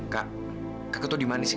kak kakak tuh dimani sih